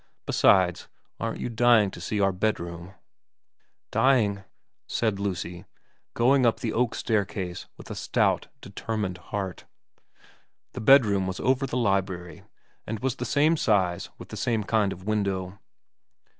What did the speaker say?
Besides, aren't you dying to see our bedroom ?'* Dying,' said Lucy, going up the oak staircase with a stout, determined heart. The bedroom was over the library, and was the same size and with the same kind of window.